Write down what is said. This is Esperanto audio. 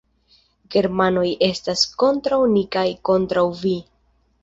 Germanoj estas kontraŭ ni kaj kontraŭ vi.